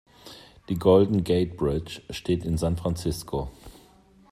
Die Golden Gate Bridge steht in San Francisco.